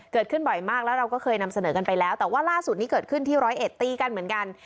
เกิดขึ้นบ่อยมากแล้วเราก็เคยนำเสนอกันไปแล้วแต่ว่าล่าสุดนี้เกิดขึ้นที่ร้อยเอ็ดตีกันเหมือนกัน